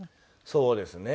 そうですね。